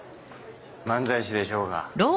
漫才師でしょうが。